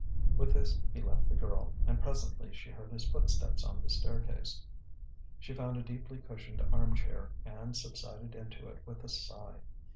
With this he left the girl, and presently she heard his footsteps on the staircase. She found a deeply cushioned arm chair, and subsided into it with a sigh.